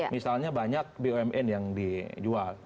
misalnya banyak bumn yang dijual